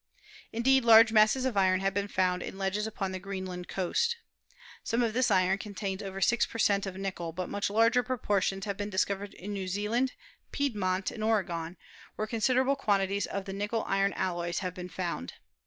Indeed, large masses of iron have been found in ledges upon the Greenland coast. Some of this iron contains over 6 per cent, of nickel, but much larger proportions have been discovered in New Zealand, Piedmont and Oregon, where considerable quantities of the nickel iron alloys have been found.